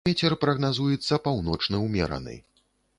Вецер прагназуецца паўночны ўмераны.